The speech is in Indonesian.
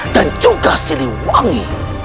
dan juga siliwangi